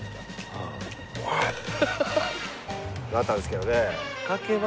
「おい」だったんですけどね。